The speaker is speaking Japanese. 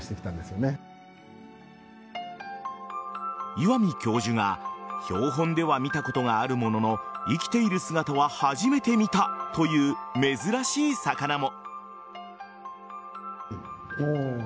岩見教授が標本では見たことがあるものの生きている姿は初めて見たという珍しい魚も。